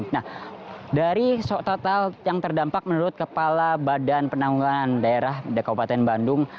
nah dari total yang terdampak menurut kepala badan penanggulangan daerah kabupaten bandung